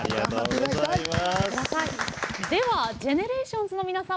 ではＧＥＮＥＲＡＴＩＯＮＳの皆さん。